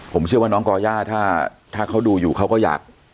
ผมเชื่อว่าน้องก่อย่าถ้าเขาดูอยู่เขาก็อยาก